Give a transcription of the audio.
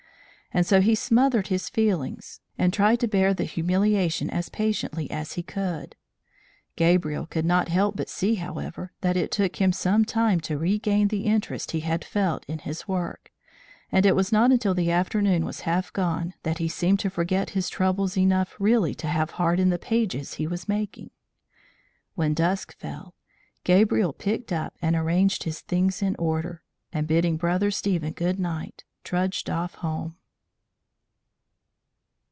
And so he smothered his feelings and tried to bear the humiliation as patiently as he could. Gabriel could not help but see, however, that it took him some time to regain the interest he had felt in his work, and it was not until the afternoon was half gone that he seemed to forget his troubles enough really to have heart in the pages he was making. When dusk fell, Gabriel picked up and arranged his things in order, and bidding Brother Stephen good night, trudged off home.